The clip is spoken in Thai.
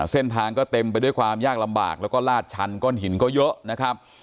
เส้นทางก็เต็มไปด้วยความยากลำบากแล้วก็ลาดชันก้อนหินก็เยอะนะครับ